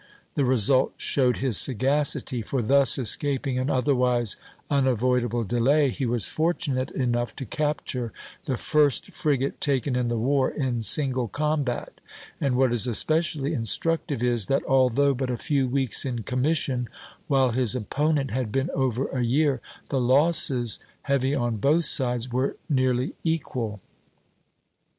The result showed his sagacity, for, thus escaping an otherwise unavoidable delay, he was fortunate enough to capture the first frigate taken in the war in single combat; and what is especially instructive is, that although but a few weeks in commission, while his opponent had been over a year, the losses, heavy on both sides, were nearly equal.